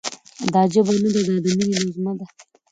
دا ژبه نه ده، دا د مینې نغمه ده»